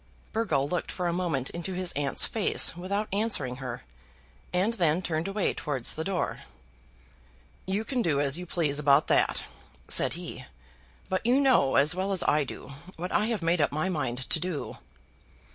Burgo looked for a moment into his aunt's face without answering her, and then turned away towards the door. "You can do as you please about that," said he; "but you know as well as I do what I have made up my mind to do."